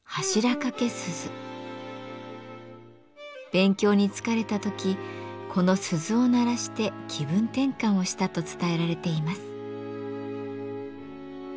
勉強に疲れた時この鈴を鳴らして気分転換をしたと伝えられています。